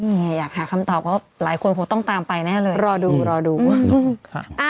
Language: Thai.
อยากหาคำตอบว่าหลายคนคงต้องตามไปแน่เลยรอดูรอดูค่ะ